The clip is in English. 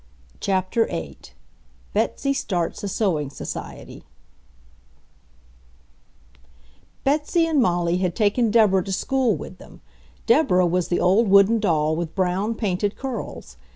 CHAPTER VIII BETSY STARTS A SEWING SOCIETY Betsy and Molly had taken Deborah to school with them. Deborah was the old wooden doll with brown, painted curls.